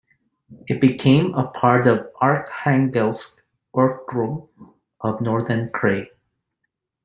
It became a part of Arkhangelsk Okrug of Northern Krai.